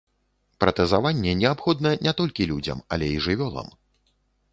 Пратэзаванне неабходна не толькі людзям, але і жывёлам.